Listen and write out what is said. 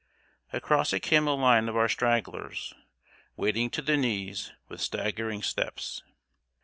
Across it came a line of our stragglers, wading to the knees with staggering steps.